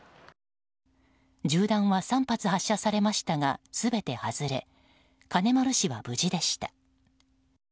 銃弾は３発発射されましたが全て外れ金丸氏は無事でした。